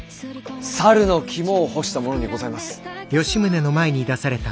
猿の肝を干したものにございます。